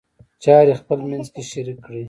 چارې خپلمنځ کې شریک کړئ.